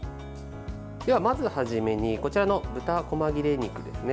ではまず初めにこちらの豚こま切れ肉ですね。